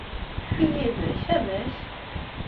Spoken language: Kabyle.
I yid-k, amek?